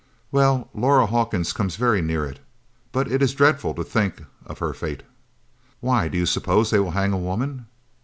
"Well, Laura Hawkins comes very near it. But it is dreadful to think of her fate." "Why, do you suppose they will hang a woman?